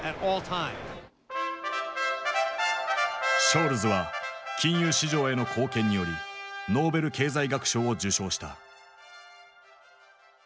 ショールズは金融市場への貢献によりノーベル経済学賞を受賞した。